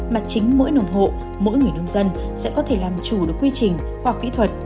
mà chính mỗi nông hộ mỗi người nông dân sẽ có thể làm chủ được quy trình khoa học kỹ thuật